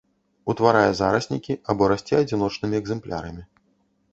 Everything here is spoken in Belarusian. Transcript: Утварае зараснікі або расце адзіночнымі экземплярамі.